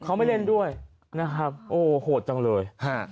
เขาไม่เล่นด้วยนะครับโอ้โหดจังเลยฮะ